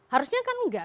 harusnya kan enggak